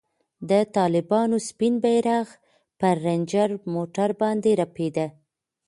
د طالبانو سپین بیرغ پر رنجر موټر باندې رپېده.